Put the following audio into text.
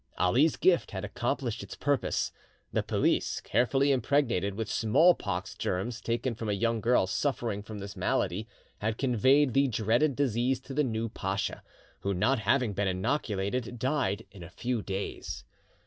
Ali's gift had accomplished its purpose. The pelisse, carefully impregnated with smallpox germs taken from a young girl suffering from this malady, had conveyed the dreaded disease to the new pacha, who, not having been inoculated, died in a few days.